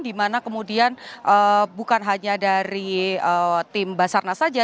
dimana kemudian bukan hanya dari tim basarna saja